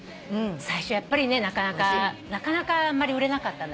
最初やっぱりなかなかあんまり売れなかったんだって。